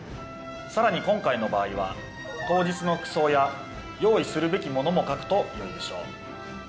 さらに今回の場合は当日の服装や用意するべきものも書くとよいでしょう。